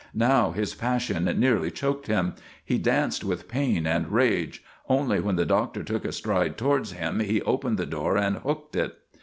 Now his passion nearly choked him; he danced with pain and rage; only when the Doctor took a stride towards him he opened the door and hooked it.